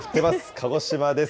鹿児島です。